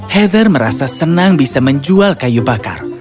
heather merasa senang bisa menjual kayu bakar